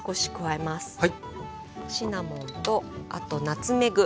シナモンとあとナツメグ。